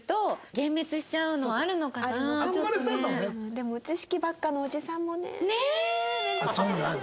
でも知識ばっかのおじさんもね面倒くさいですよね。